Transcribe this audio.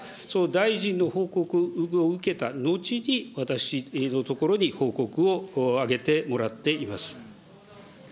大臣の報告を受けた後に、私のところに報告を上げてもらっています。